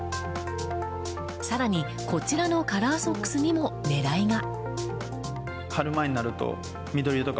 更に、こちらのカラーソックスにも狙いが。